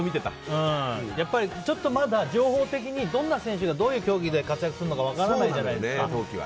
やっぱり、ちょっとまだ情報的に、どんな選手がどういう競技で活躍するのか分からないじゃないですか。